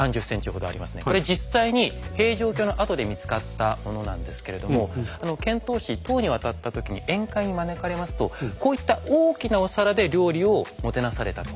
これ実際に平城京の跡で見つかったものなんですけれども遣唐使唐に渡った時に宴会に招かれますとこういった大きなお皿で料理をもてなされたと。